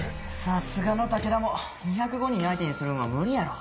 さすがの武田も２０５人相手にするのは無理やろ。